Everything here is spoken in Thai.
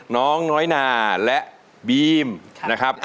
น้องน้อยนาและบีมนะครับ